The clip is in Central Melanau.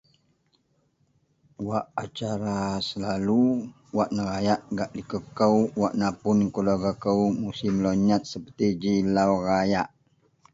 Wak acara selalu wak nerayak gak likoukou, wak napun keluwargakou musim lau nyat seperti ji lau Rayak.